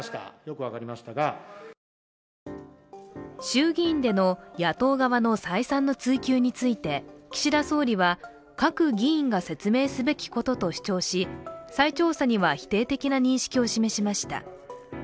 衆議院での野党側の再三の追及について岸田総理は、各議員が説明すべきことと主張し再調査には否定的な認識を示しました。